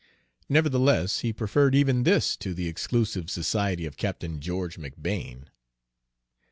Nevertheless, he preferred even this to the exclusive society of Captain George McBane.